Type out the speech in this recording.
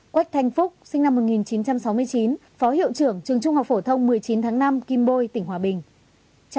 quách thanh phúc sinh năm một nghìn chín trăm sáu mươi chín phó hiệu trưởng trường trung học phổ thông một mươi chín tháng năm kim bôi tỉnh hòa bình